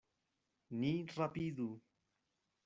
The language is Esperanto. Ni rapidu.